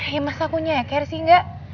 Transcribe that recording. ya masa aku nyeker sih enggak